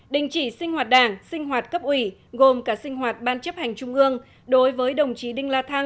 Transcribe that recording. đình chỉ sinh hoạt đảng sinh hoạt cấp ủy gồm cả sinh hoạt ban chấp hành trung ương đối với đồng chí đinh la thăng